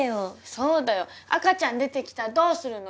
そうだよ赤ちゃん出てきたらどうするのよ